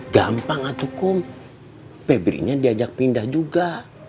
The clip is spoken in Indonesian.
gampang atuh kum febri nya diajak pindah juga